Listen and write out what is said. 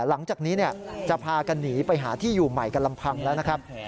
หลังจากนี้จะพากันหนีไปหาที่อยู่ใหม่กันลำพังแล้วนะครับ